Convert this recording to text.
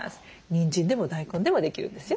にんじんでも大根でもできるんですよ。